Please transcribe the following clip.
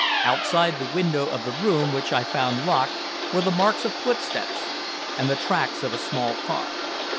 Outside the window of the room which I found locked were the marks of footsteps and the tracks of a small car."